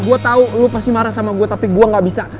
gua tau lu pasti marah sama gua tapi gua gak bisa